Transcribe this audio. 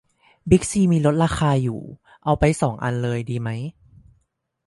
บิ๊กซีมีลดราคาอยู่ เอาไปสองอันเลยดีไหม